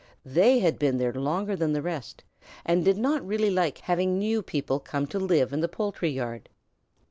They had been there longer than the rest and did not really like having new people come to live in the poultry yard.